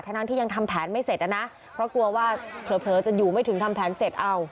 ทั้งที่ยังทำแผนไม่เสร็จนะเพราะกลัวว่าเผลอจะอยู่ไม่ถึงทำแผนเสร็จเอา